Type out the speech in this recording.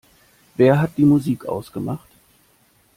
Wer hat die Musik ausgemacht?